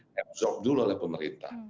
ini bagaimana bisa dikonsumsi dulu oleh pemerintah